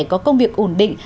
có công việc ổn định